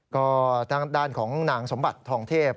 ก็ทางด้านของนางสมบัติทองเทพ